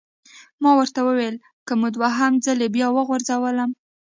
ما ورته وویل: که مو دوهم ځلي بیا وغورځولم!